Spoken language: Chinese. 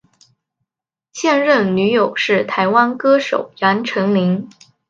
现任女友是台湾歌手杨丞琳。